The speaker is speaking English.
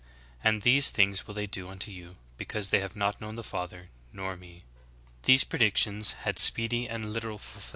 And these things will they do unto you because they have not known the Father, nor me."^ 12. These predictions had speedy and literal fulfilment.